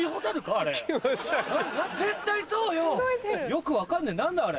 よく分かんない何だあれ。